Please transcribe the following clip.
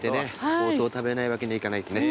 ほうとうを食べないわけにはいかないってね。